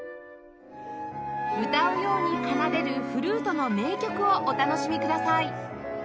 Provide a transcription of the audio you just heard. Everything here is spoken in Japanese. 歌うように奏でるフルートの名曲をお楽しみください